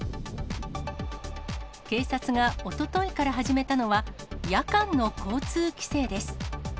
警察がおとといから始めたのは、夜間の交通規制です。